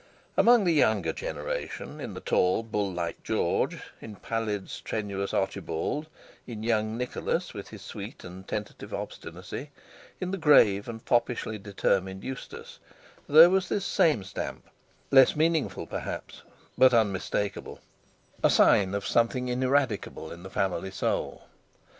Among the younger generation, in the tall, bull like George, in pallid strenuous Archibald, in young Nicholas with his sweet and tentative obstinacy, in the grave and foppishly determined Eustace, there was this same stamp—less meaningful perhaps, but unmistakable—a sign of something ineradicable in the family soul.